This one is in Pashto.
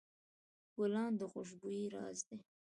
ګلان د خوشبویۍ راز لري.